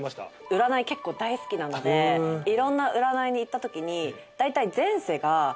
占い大好きなのでいろんな占いに行ったときにだいたい前世が。